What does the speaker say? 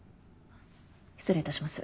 失礼いたします。